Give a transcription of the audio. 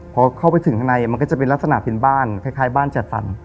พอเข้าไปถึงข้างในมันก็จะเป็นลักษณะเป็นบ้านคล้ายบ้านจัดสรร